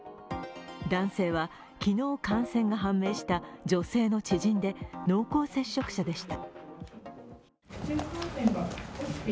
男性は昨日感染が判明した女性の知人で、濃厚接触者でした。